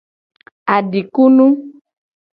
Adikunu.